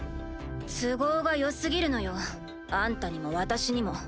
都合がよすぎるのよあんたにも私にも。